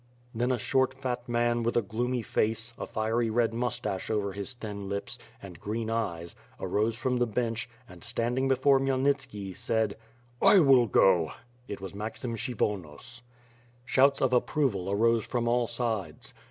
Then a short, fat man with a gloomy face, a fiery red mou stache over his thin lips, and green eyes, arose from the bench and, standing before Khymelnitski, said: "I will go!" It was Maxim Kshyvonos. Shouts of approval arose from all sides.